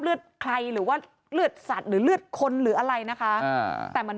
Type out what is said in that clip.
เลือดใครหรือว่าเลือดสัตว์หรือเลือดคนหรืออะไรนะคะแต่มัน